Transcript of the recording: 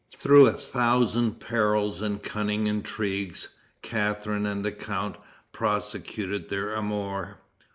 Through a thousand perils and cunning intrigues, Catharine and the count prosecuted their amour.